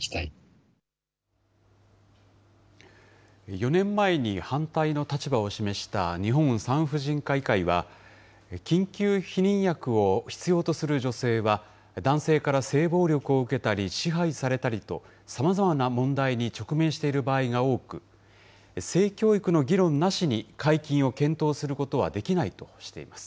４年前に反対の立場を示した日本産婦人科医会は、緊急避妊薬を必要とする女性は、男性から性暴力を受けたり支配されたりと、さまざまな問題に直面している場合が多く、性教育の議論なしに解禁を検討することはできないとしています。